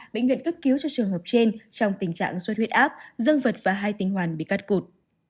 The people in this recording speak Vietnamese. bệnh viện cấp cứu cho trường hợp trên trong tình trạng sốt huyết áp dương vật và hai tinh hoàn bị cắt cụt